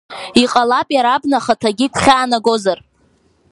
Иҟалап иара абна ахаҭагьы игәхьаанагозар…